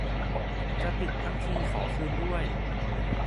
จะติดทั้งทีต้องขอคืนด้วย